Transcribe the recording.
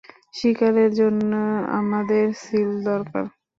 শিকারের জন্য আমাদের সিল দরকার।